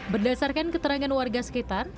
berdasarkan keterangan warga sekitar